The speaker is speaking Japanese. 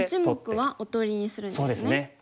１目はおとりにするんですね。